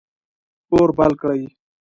اور بل کړئ